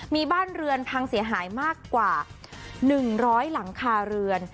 มีบ้านเรือนพังเสียหายมากกว่า๑๐๐หลังคาเรือน